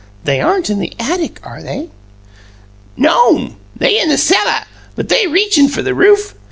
"They aren't in the attic, are they?" "No'm; they in the celluh, but they REACHIN' fer the roof!